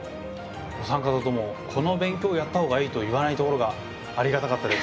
お三方とも「この勉強をやったほうがいい」と言わないところがありがたかったです。